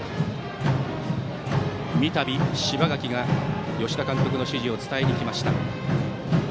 三度、柴垣が吉田監督の指示を伝えに行きました。